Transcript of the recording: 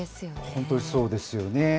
本当にそうですよね。